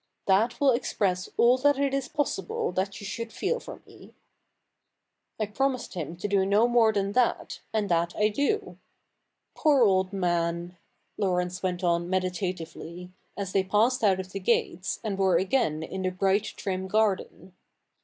That will express all that it is possible that you should feel for me." I promised him to do no more than that, and that I do. Poor old man !' Eaurence went on meditatively, as they passed out of the gates, and were again in the bright trim garden.